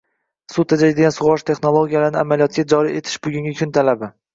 Suv tejaydigan sug‘orish texnologiyalarini amaliyotga joriy etish bugungi kun talabi